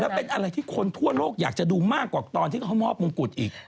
เป็นอะไรที่คนทั่วโลกอยากจะดูมากกว่าตอนที่เขามอบมงกุฎอีก